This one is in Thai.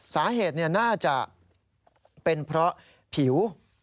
สาเหตุน่าจะเป็นเพราะผิว